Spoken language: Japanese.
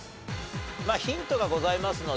ヒントがございますのでね